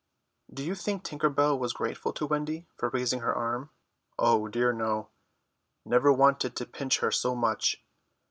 Do you think Tinker Bell was grateful to Wendy for raising her arm? Oh dear no, never wanted to pinch her so much.